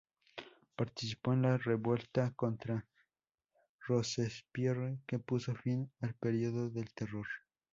Participó en la revuelta contra Robespierre que puso fin al periodo del Terror.